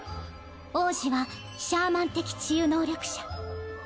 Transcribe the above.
王子はシャーマン的治癒能力者。